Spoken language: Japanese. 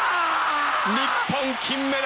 日本金メダル！